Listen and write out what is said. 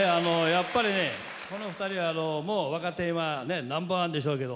やっぱりねこの２人は若手ナンバー１でしょうけど。